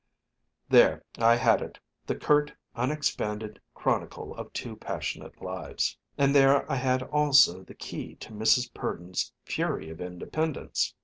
There I had it the curt, unexpanded chronicle of two passionate lives. And there I had also the key to Mrs. Purdon's fury of independence.